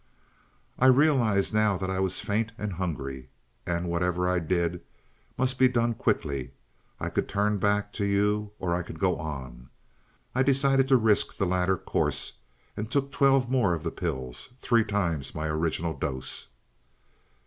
"I realized now that I was faint and hungry, and whatever I did must be done quickly. I could turn back to you, or I could go on. I decided to risk the latter course, and took twelve more of the pills three times my original dose."